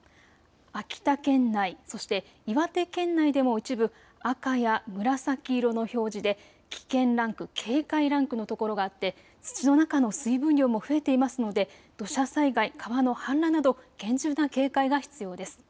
秋田県内、そして岩手県内でも一部、赤や紫色の表示で危険ランク、警戒ランクの所があって土の中の水分量も増えていますので土砂災害、川の氾濫など厳重な警戒が必要です。